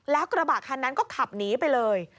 แล้วกระบะคันนั้นก็ขับหนีไปเลย